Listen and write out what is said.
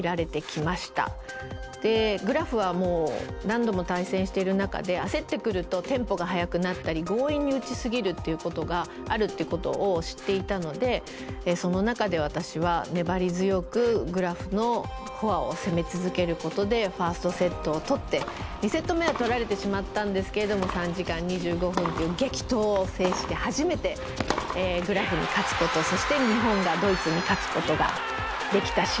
グラフは何度も対戦している中で焦ってくるとテンポが速くなったり強引に打ち過ぎるっていうことがあるってことを知っていたのでその中で私は粘り強くグラフのフォアを攻め続けることでファーストセットを取って２セット目は取られてしまったんですけれども３時間２５分という激闘を制して初めてグラフに勝つことそして日本がドイツに勝つことができた試合になります。